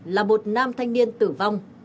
là một nam thanh niên tử vong